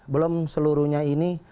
belum seluruhnya ini